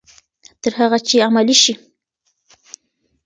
تر هغه چې عملي شي.